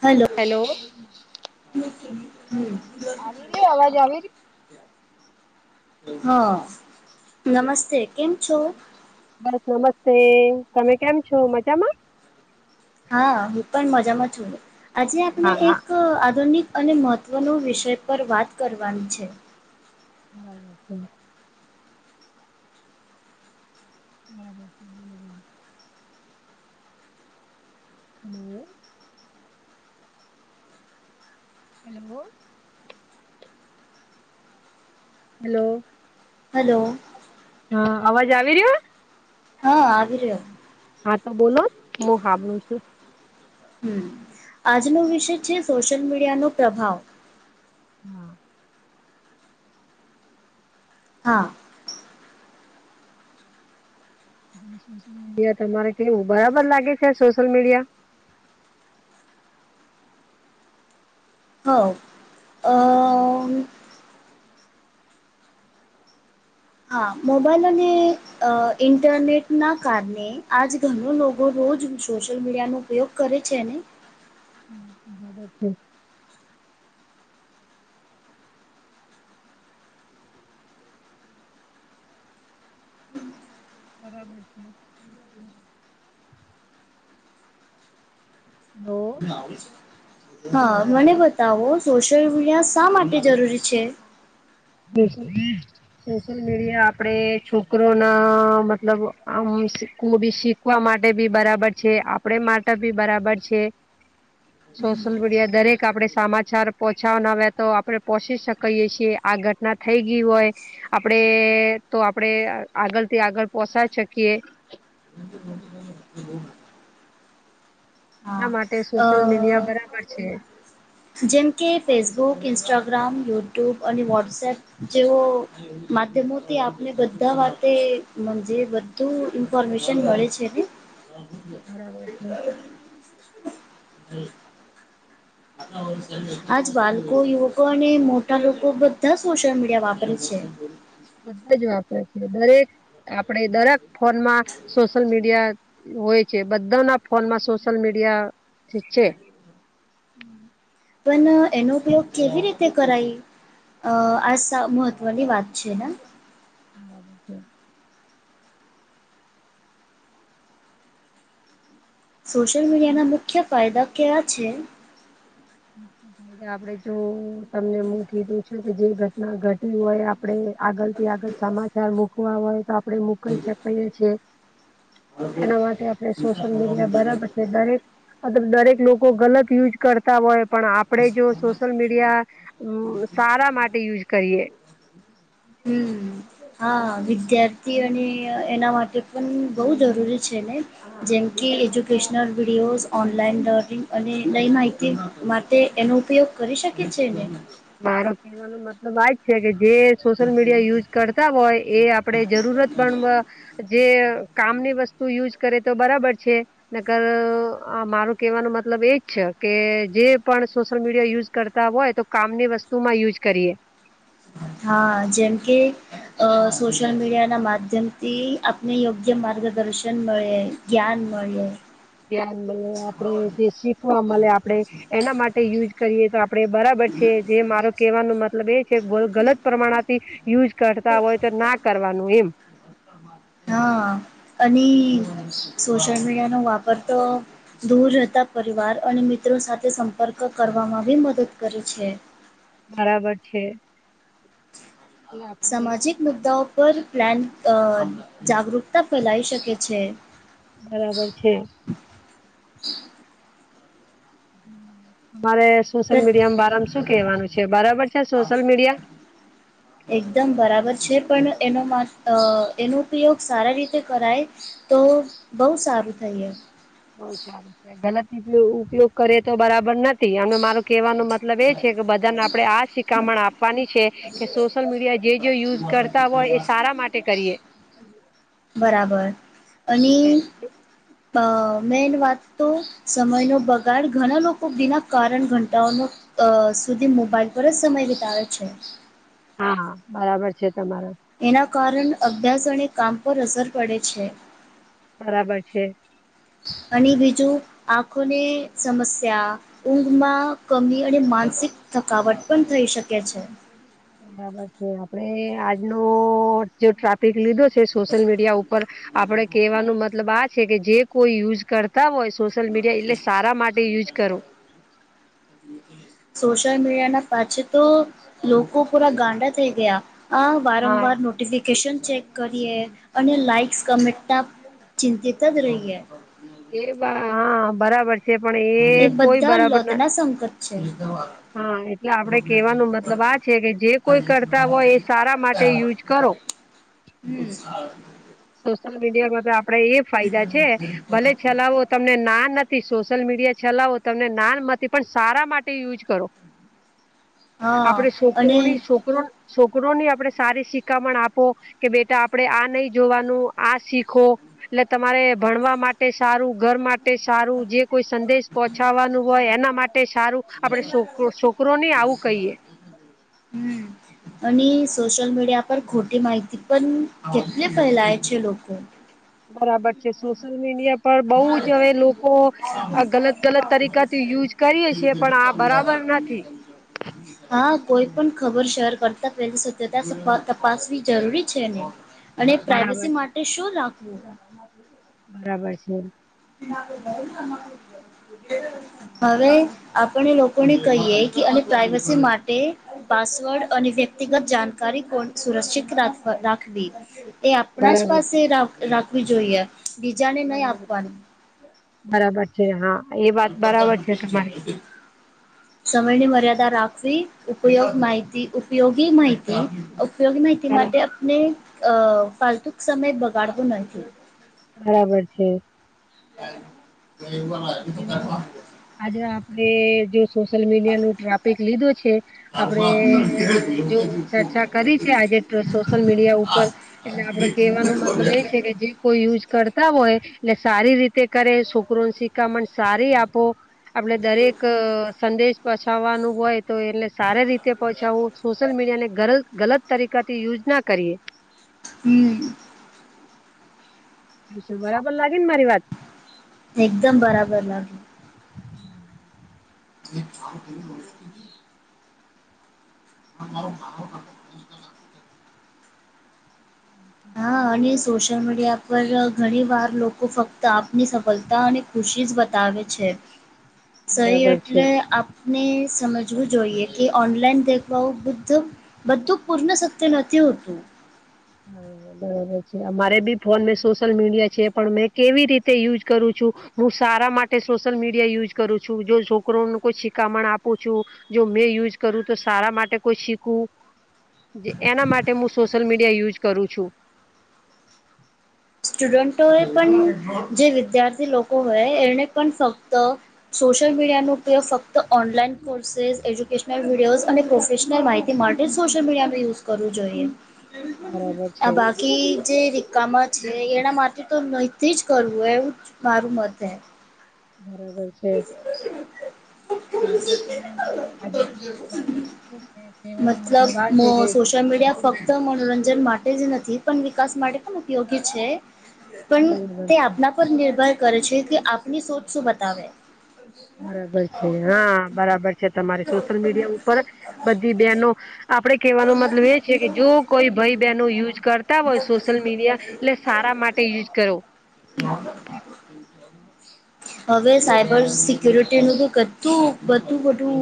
Hello. Hello. ચા [inaudible] આવી રહ્યો અવાજ આવી ર હા નમસ્તે કેમ છો. બસ નમસ્તે તમે કેમ છો મજામાં હા હું પણ મજામાં છું હી આજે આપણે હા હા એક આધુનિક અને મહત્ત્વનો વિષય પર વાત કરવાની છે. હા છે બરાબર છે. હલો હેલો હલો હલો હા અવાજ આવી રહ્યો હા આ્ર હા તો બોલો હું સાાભનુંું છું. હમ આજનો વિષય છે સોશિયલ મીડિયાનોો પ્રભાવ હા હા સશલ મીડિયા તમારે કેવું બરાબર લાગે છે સોશિયલ મીડિયા હા હા હા મોબાઈલ અને અ ઇન્ટરનેટ ના કારણે આજ ઘણ લોકો રોજ સોશિયલ મીડિયાનો ઉપયોગ કરે છે ને હ બ છે બરાબર છે તો હા મને બતાવો સોશિયલ મીડિયા શા માટે જરૂરી છે. બ સોશિયલ મીડિયા આપડે છોકરો ના મતલબ આમું બી શીખ શકવા માટે બી બરાબર છે આપડ માટે ભી બરાબર છે. હમ સોશિયલ મીડિયા દરેક આપણે સમાચાર પહોંચાવાના આવ્યા તો આપણે પહોંચી શકીએ છીએ આગળ ના થઈ ગય હોય આપડે તો આપડે આગળ થી આગળ પોસ શકીએે એ એના માટે સોશિયલ મીડિયા બરાબર છે. જેમકે ફેસબુક ઇન્સ્ટાગ્રામ યુટ્યુબ અને વોટ્સએપ જેવો માધ્યમોથી આપને બધા વાતે બધું ઈન્ફોર્મેશન મળે છે ને હ બરાબર છે. હમ આજ બાળકો યુવકો અને મોટા લોકો બધા સોશિયલ મીડિયા વાપરે છે. બધા જ વાપરે છે દરેક આપણેે દરેક ફોનમાં સોશિયલ મીડિયા હોય છે બધા ના ફોન માં સોશિયલ મીડિયા છે. પણ એનો ઉપયોગ કેવી રીતે કરાય અ આ મહત્ત્વની વાત છે ને હાબ સોશિયલ મીડિયાના મુખ્ય ફાયદા કયા છે ાય આપડે જો તમને હું કીધું છે કે જે ઘટના ઘટી હોય આપડે આગળ થી આગળ સમાચાર મૂકવા હોય તો આપડે મુકી શકીએીએ એના માટે આપણે સોશિયલ મીડિયા બરાબર દરેક મત દરેક લોકો ગલત યુઝ કરતા હોય પણ આપણેે જો સોશિયલ મીડિયા સારા માટે યુઝ કરીએ હમ હા વિદ્યાર્થી અને એના માટે પણ બહુ જરૂરી છે ને હા જેમ કે બીજા લોકો એજ્યુકેશનલ વિડીયોઝ ઓનલાઈન લર્નિંગ અને નઈ માહિતી માટે એનો ઉપયોગ કરી શકે છે ને મા તો વાત છે કે જે સોશિયલ મીડિયા યુઝ કરતા હોય એ આપણે જરૂરત પણ જે કામની વસ્તુ યુઝ કરે તો બરાબર છે. નગર મારો કેવાનો મતલબ એજ છે કે જે પણ સોશિયલ મીડિયા યુઝ કરતા હોય તો કામ ની વસ્તુ માં યુઝ કરીએ હા, જેમ કે. અ સોશલ મીડિયા ના માધ્યમથી, આપને યોગ્ય માર્ગદર્શન મળે. જ્ઞાન મળે ધ મળે આપણે જે શીખવા મળે આપે એના માટે યુઝ કરીએ તો આપણે બરાબર છે જે મારો કહેવાનો મતલબ એ છે ગલત પ્રમાણથી યુઝ કરતા હોય તો ના કરવાનું એમ હા અની સોશલ મીડિયાનો વાપર તો દૂર રહેતા પરિવાર અને મિત્રો સાથે સંપર્ક કરવામાં ભી મદદ કરે છે. બરાબર છે. એટલે આપણે સામાજિક મુદ્દાઓ પર પ્લાન અ જાગૃકતા ફેલાઈ શકે છે. બરાબર છે. મારે પ્ર સોશિયલ મીડિયા બરામાં શું કેવાનું છે? બરાબર છે સોશિયલ મીડિયા? એકદમ બરાબર છે, પણ એનો મત અ એનો ઉપયોગ સારા રીતે કરાય. તો, બહુ સારું થઈએ. બહુ ચાન્સ છે ગલત ઉપ ઉપયોગ કરે તો બરાબર ન થી, અને મારો કહેવાનો મતલબ એ છે, કે બધાને આપડણે આ શિકામણ આપ વાની છે, કે સોશિયલ મીડિયા જે જે યુઝ કરતા હોય એ સારા માટે કરીએ. બરાબર, અને છે. અ મેન વાત તો, સમયનો બગાડ, ઘણા લોકો વિના કારણ ઘંટાઓનો અ સુધી મોબાઈલ પર જ સમય વિતાવે છે. હા હા બરાબર છે, તમારા. એના કારણ અભ્યાસ અણે કામ પર અસર પડે છે. બરાબર છે. અને બીજું આંખોને સમસ્યા ઊંઘમાં કમી અને માનસિક થકાવટ પણ થઈ શકે છે. બરાબર છે આપે આજનો જે ટ્રાપિક લીધો છે, સોશિયલ મીડિયા ઉપર ઉપ આપણેે કેહેવાનો મતલબ આ છે, કે જે કોઈ યુઝ કરતા કાવોય સોશિયલ મીડિયા, એટલે સારા માટે યુઝ કરો. સોશિયલ મીડિયા ના પાછી તો, લોકો પોરા ગાંડા થઈ ગયા. આ હા વારંવાર નોટિફિકેશન ચેક કરીએ, અને લાઇક્સ કમેન્ટના ચિંતતદ રહીયે. એ બા હા બરાબર છે, પણ એ કોઈ બધા બરાબર ના લતના [inaudible] હા એટલે આપડે કેવાનું મતલબ આ છે, કે જે કોઈ કરતા હોય, એ સારા માટે યુઝ કરો. હમ્મ સોશિયલ મીડિયા માં તો આપડે એ ફાયદા છે, ભલે છેલાવો તમને ના નથી, સોશિયલ મીડિયા ચલાવો, તમને નાન નથી પણ સારા માટે યુઝ કરો. [inaudible] હા આપડે અને છોકરોની છોક કરો છોકરો ની આપડણે સારી શિખામણ આપો, કે બેટા આપડે આ નહીં જોવાનું આ શીખો એટલે તમારે ભણવા માટે સારું ઘર માટે સારું જે કોઈ સંદેશ પહોંચાડવાનું હોય એના માટે સારું આપડે છોક, છોકરો ની આવું કહીએ હમ્મ અને સોશલ મીડિયા પર ખોટી માહિત પણ કેટલે ફેલાય છે, લોકો બરાબર છે, સોશિલ મીડિયા પણ બહુ જ હવે લોકો ગલત ગલત તરીકાથી યુઝ કરીએ છીએ, પણ આ બરાબર ના [unintelligible] હા કોઈ પણ ખબર શેર કરતા પેલી સત્યતા તપ તપાસવી જરૂરી છે ને. અને બરાબર પ્રાઈવેસી માટે શું રાખવું બરાબર છે. બ હવે આપણે લોકોને કહીએ કે અને પ્રઇવસી માટે પાસવર્ડ અને વ્યક્તિગત જાણકારી કોણ સુરક્ષિત રા રાખવી. એ આપણા જ બરાબર પાસે છે રાખવી જોઈએ બીજાને નહી બરાબર છે બરાબર છે આપવાનું બરાબર છે હા એ વાત બરાબર છે, તમારી સમયની મર્યાદા રાખવી ઉપયોગ માહિતી ઉપયોગી માહિતી ઉપયોગી માહિતી બરાબર માટે આપને અ ફાલતુ સમય બગાડવો નથી. બરાબર છે. હ આપે કેવાનું આજે આપડે દ સોશિયલ મીડિયા નું ટ્રાપિક લીધું છે. આપડે જો ચર્ચા કરી છે આજે સોશિયલ મીડિયા ઉપર એટલે આપડે કેહેવાનો મતલબ એ છે કે જે કોઈ યુઝ કરતા હોય, એટલે સારી રીતે કરે કન શિકામણ સારી આપો આપડે દરેક સંદેશ પછાવવાનું હોય. તો એને સારી રીતે પહોંચાડવું સોશિયલ મીડિયા ને ગલ ગલત તરીકા થી યુજ ના કરીએ. હમ્મ બરાબર લાગે ને મારી વાત. એકદમ બરાબર લાગે. જે હા હા અને સોશિયલ મીડિયા પર ઘણી વાર લોકો ફક્ત આપની સફળતા અને ખુશી જ બતાવે છે. સહી બરાબર છે એટલે આપ ને સમજવું જોઈએ, કે ઓનલાઈન દેખવાઓ બુદ્ધ બધું પૂર્ણ સત્ય નથી હોતું. હવો બરાબર છે અમારે બી ફોન મેં સોશિયલ મીડિયા છે પણ મેં કેવી રીતે યુઝ કરું છું. હું સારા માટે સોશિયલ મીડિયા યુઝ કરું છું જો છોકરોનું કોઈ શી્ખામણ આપું છુ. જો મેં યુઝ કરું તો સારા માટે કોઈ શીખવું જે એના માટે હું સોશિયલ મીડિયા યુઝ કરું છુ. સ્ટુડન્ટો એ પણ જે વિદ્યાર્થી લોકો હોય, એને પણ ફક્ત સોશિયલ મીડિયા નો ઉપયોગ ફક્ત ઓનલાઈન કોર્સ એજ્યુકેશનલ વિડયો અને પ્રોફેશનલ માહિતી તે માટે જ સોશિયલ મીડિયામાં યુઝ કરવું જોઈએ બરાબર આ છે બાકી જે રિકમાં એના માટે તો નહથી જ કરવું એવું જ મારું મત હૈ. બરાબર છે. આપ કેવાનું આજ કેવાનો મતલબ આ છેકે સોશયલ મીડિયા ફક્ત મનોરંજન માટે જ નથી પણ વિકાસ માટે પણ ઉપયોગી છે. પણ બરાબર તે છે આપના પર નિર્ભર કરે છે કે આપની સોચ શું બતાવે. બરાબર છે, હા બરાબર છે તમારે, સોશિયલ મીડિયા ઉપર બધી બેનો આપડે કહેવાનો મતલબ એ છે કે, જો કોઈ ભાઈ બહેનો યુઝ કરતા હોય, સોશિયલ મીડિયા લે સારા માટે યુઝ કરો. હવે સાયબર સી ક્યરેટીનું બી કાઢું બધું બધું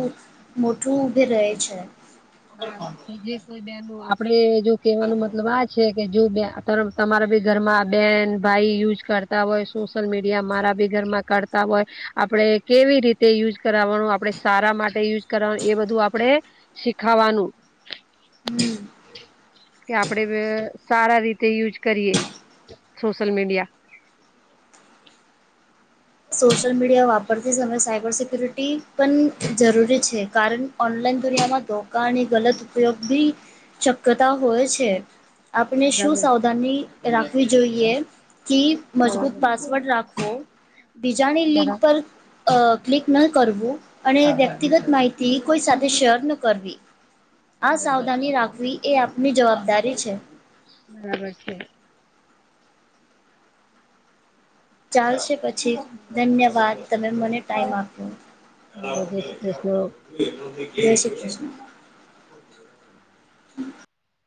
મોટું ઊભે રહે છે. બરાબર છે, જે કોઈ બેન આપડે જો કેવાનો મતલબ આ છે કે જો બે તર તમારા બી ઘર માં બેન ભાઈ યુજ કરતા હોય સોશિયલ મીડિયા, મારા બી ઘરમાં કરતા હોય, આપડે કેવી રીતે યુઝ કરવાનું, આપડે સારા માટે યુઝ કરવાનું, એ બધું આપડે ખાવાનું, હમ કે આપડે સારા રીતે યુઝ કરીએ, સોશિલ મીડિયા. સોશિયલ મીડિયા વાપરતી સમય સાયબર સિક્યુરિટી પણ જરૂરી છે, કારણ ઓનલાઈન દરિયામાં ધોકાની ગલત ઉપયોગ બી શક્યતા હોય છે. આપણે શું બરાબર છે સાવધાની રાખવી જોઈએ, કે મજબૂત બરાબર છે પાસવર્ડ રાખો. બીજાની લિંક બરા પર અ ક્લિક ન કરવું, અને વ્યક્તિગત માહિત થી કોઈ સાથે શેર ન કરવી આ બરાબર છે સાવધાની રાખવી- એ આપની જવાબદારી છે. બરાબર છે. ચાલશે પછી ધન્યવાદ- વાત તમે મને ટાઈમ અ, આપ્યો- જય શ્રી કૃષ્ણ જય શ્રી કૃષ્ણ-